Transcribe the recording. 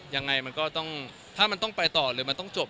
ยังไงมันก็ต้องถ้ามันต้องไปต่อหรือมันต้องจบ